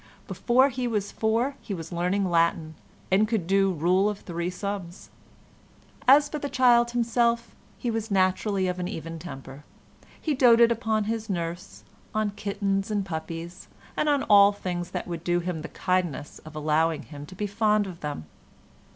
Before he was four he was learning Latin, and could do rule of three sums. As for the child himself, he was naturally of an even temper, he doted upon his nurse, on kittens and puppies, and on all things that would do him the kindness of allowing him to be fond of them.